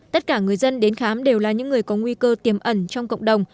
tất cả người dân đến khám đều là những người có nguy cơ tiềm ẩn trong cộng đồng